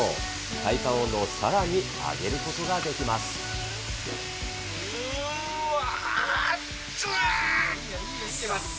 体感温度をさらに上げることがでうわー！来てます。